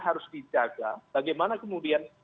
harus dijaga bagaimana kemudian